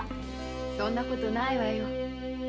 そんな事ないわよ。